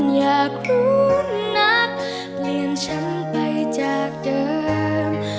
อยากรู้นักเปลี่ยนฉันไปจากเดิม